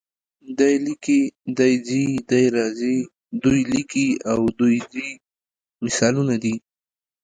دی لیکي، دی ځي، دی راځي، دوی لیکي او دوی ځي مثالونه دي.